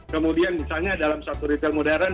kemudian misalnya dalam satu retail modern